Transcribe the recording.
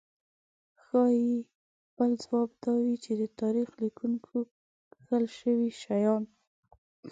ښايي بل ځواب دا وي چې د تاریخ لیکونکو کښل شوي شیان.